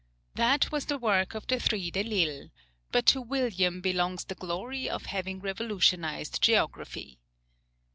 That was the work of the three Delisles, but to William belongs the glory of having revolutionized geography.